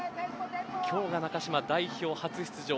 今日が中嶋、代表初出場。